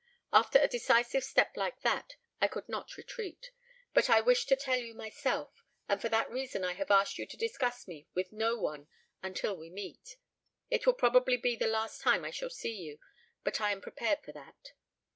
After a decisive step like that I could not retreat. But I wish to tell you myself, and for that reason I have asked you to discuss me with no one until we meet. It will probably be the last time I shall see you, but I am prepared for that.